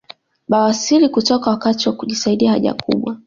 Bawasiri kutoka wakati wa kujisaidia haja kubwa